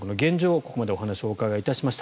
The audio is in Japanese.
ここまでお話をお伺いしました。